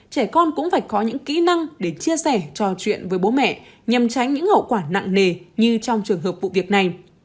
trẻ con cũng phải có những kỹ năng để chia sẻ trò chuyện với bố mẹ nhằm tránh những hậu quả nặng nề như trong trường hợp vụ việc này